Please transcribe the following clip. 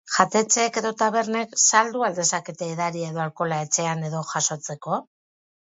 Jatetxeek edo tabernek saldu al dezakete edaria edo alkohola etxean edo jasotzeko?